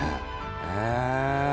へえ！